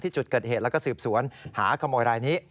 จุดเกิดเหตุแล้วก็สืบสวนหาขโมยรายนี้